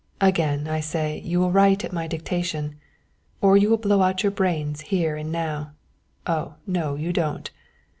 Again I say you will write at my dictation or you will blow out your brains here and now Oh, no, you don't."